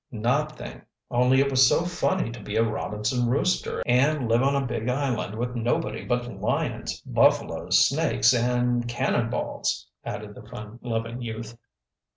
"Nothing, only it was so funny to be a Robinson Rooster and live on a big island with nobody but lions, buffaloes, snakes, and 'cannonballs,'" added the fun loving youth.